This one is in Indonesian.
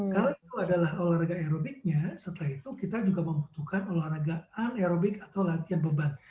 kalau itu adalah olahraga aerobiknya setelah itu kita juga membutuhkan olahraga aerobik atau latihan beban